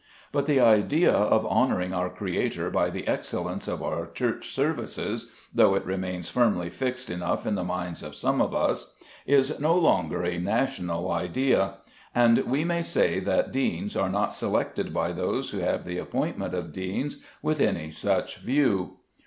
But the idea of honouring our Creator by the excellence of our church services, though it remains firmly fixed enough in the minds of some of us, is no longer a national idea; and we may say that deans are not selected by those who have the appointment of deans with any such view.